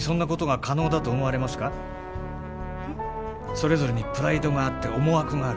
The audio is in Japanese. それぞれにプライドがあって思惑がある。